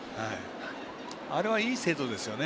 あれはいい制度ですよね。